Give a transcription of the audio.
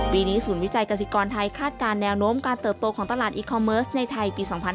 ปีนี้ศูนย์วิจัยกษิกรไทย